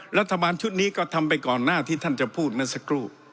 รัฐบาลชุดนี้ก็ทำไปก่อนหน้าที่ท่านจะพูดเมื่อสักครู่